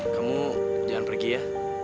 kamu jangan pergi ya